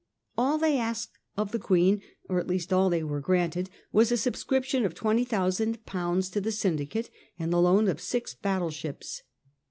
All they asked of the Queen, or at least all they were granted, was a subscription of £20,000 to the syndicate, and the loan of six battle ships.